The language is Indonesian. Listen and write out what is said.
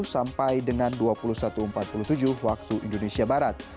sampai dengan dua puluh satu empat puluh tujuh waktu indonesia barat